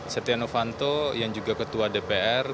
setia novanto yang juga ketua dpr